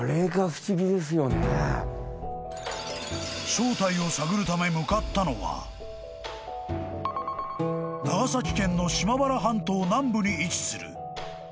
［正体を探るため向かったのは長崎県の島原半島南部に位置する］